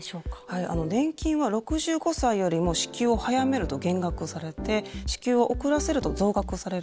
はいあの年金は６５歳よりも支給を早めると減額されて支給を遅らせると増額されるんですよね。